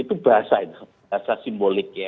itu bahasa itu bahasa simbolik ya